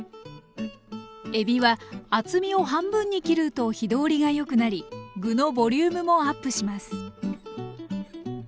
えびは厚みを半分に切ると火通りがよくなり具のボリュームもアップします。